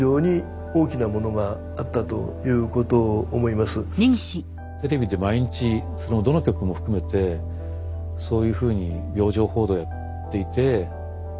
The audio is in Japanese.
みんながテレビで毎日どの局も含めてそういうふうに病状報道をやっているとですね